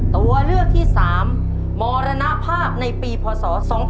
ตัวเลือกที่๓มรณภาพในปีพศ๒๕๖